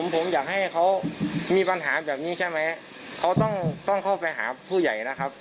ผมอยากให้เขามีปัญหาแบบนี้ใช่ไหมเขาต้องเข้าไปหาผู้ใหญ่นะครับ